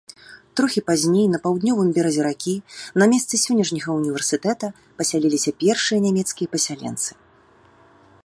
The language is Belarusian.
Трохі пазней на паўднёвым беразе ракі, на месцы сённяшняга ўніверсітэта, пасяліліся першыя нямецкія пасяленцы.